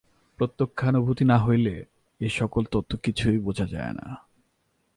প্রত্যক্ষানুভূতি না হইলে এ-সকল তত্ত্ব কিছুই বুঝা যায় না।